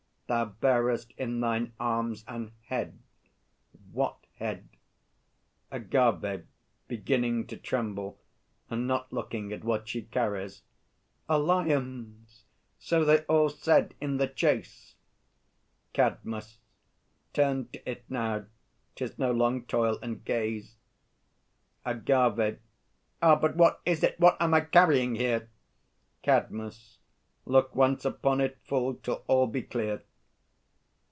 Thou bearest in thine arms an head what head? AGAVE (beginning to tremble, and not looking at what she carries). A lion's so they all said in the chase. CADMUS. Turn to it now 'tis no long toil and gaze. AGAVE. Ah! But what is it? What am I carrying here? CADMUS. Look once upon it full, till all be clear!